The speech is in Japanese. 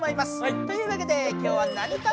というわけで今日は何かな？